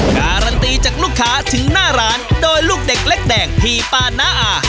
การันตีจากลูกค้าถึงหน้าร้านโดยลูกเด็กเล็กแดงพี่ปาน้าอา